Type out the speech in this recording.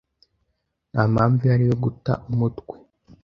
nta mpamvu ihari yo guta umutwe